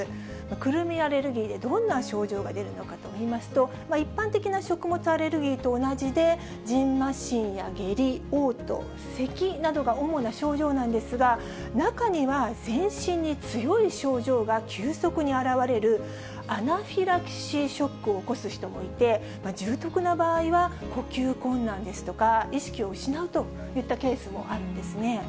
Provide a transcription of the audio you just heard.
くるみアレルギーでどんな症状が出るのかといいますと、一般的な食物アレルギーと同じで、じんましんや下痢、おう吐、せきなどが主な症状なんですが、中には全身に強い症状が急速にあらわれるアナフィラキシーショックを起こす人もいて、重篤な場合は呼吸困難ですとか、意識を失うといったケースもあるんですね。